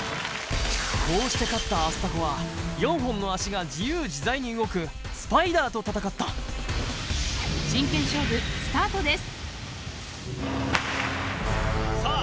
こうして勝ったアスタコは４本の足が自由自在に動くスパイダーと戦ったさあ